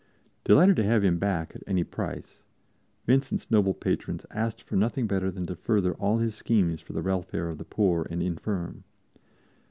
Delighted to have him back at any price, Vincent's noble patrons asked for nothing better than to further all his schemes for the welfare of the poor and infirm.